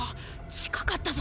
近かったぞ。